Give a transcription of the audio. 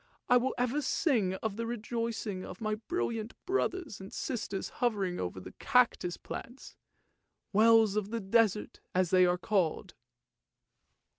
I will ever sing of the rejoicing of my brilliant brothers and sisters hovering over the cactus plants, ' Wells of the desert,' as they are called!